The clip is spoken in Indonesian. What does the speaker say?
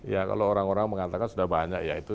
ya kalau orang orang mengatakan sudah banyak ya itu